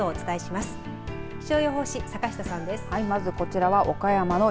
まずはこちらは岡山の蒜